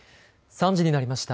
３時になりました。